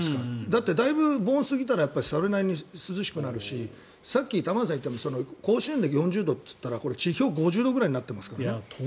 だってだいぶ盆を過ぎたらそれなりに涼しくなるしさっき玉川さんが言った甲子園の４０度といったらこれ、地表５０度ぐらいになってますからね。